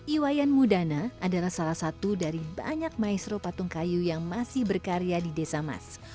iwayan mudana adalah salah satu dari banyak maestro patung kayu yang masih berkarya di desa mas